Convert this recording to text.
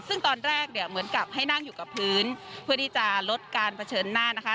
ซึ่งตอนแรกเนี่ยเหมือนกับให้นั่งอยู่กับพื้นเพื่อที่จะลดการเผชิญหน้านะคะ